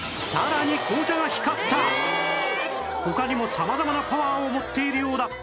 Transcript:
他にも様々なパワーを持っているようだ